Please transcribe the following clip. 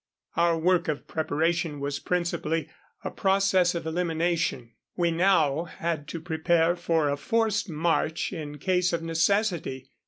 Our work of preparation was principally a process of elimination. We now had to prepare for a forced march in case of necessity.